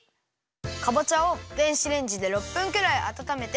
かぼちゃを電子レンジで６分くらいあたためて。